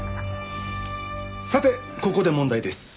さてここで問題です。